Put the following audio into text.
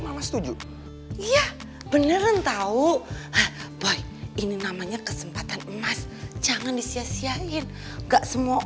mama setuju iya beneran tahu baik ini namanya kesempatan emas jangan disiasi enggak semua